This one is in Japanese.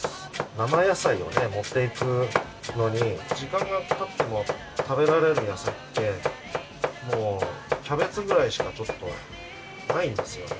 生野菜を持っていくのに時間がたっても食べられる野菜ってもうキャベツくらいしかちょっとないんですよね。